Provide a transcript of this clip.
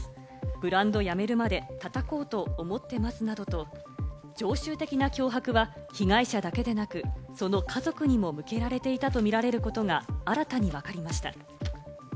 ブランドやめるまでたたこうと思ってますなどと、常習的な脅迫は被害者だけでなく、その家族にも向けられていたとみられることが新たにわかりました。